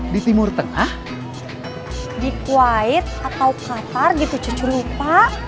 di kuwait atau qatar gitu cucu lupa